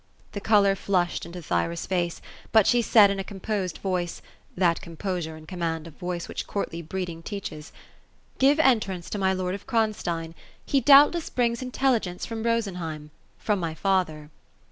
The colour flushed into Thyra's face ; but she said in a composed Toice T that composure aud command of voice which courtly breeding teaches, '^ Give entrance to my lord of Kronstein ; he doubtless brings inteligdnce from Rosenheim — from my father."